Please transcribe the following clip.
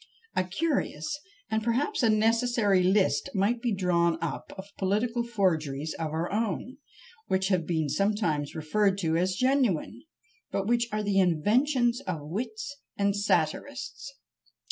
A curious, and perhaps a necessary list might be drawn up of political forgeries of our own, which have been sometimes referred to as genuine, but which are the inventions of wits and satirists!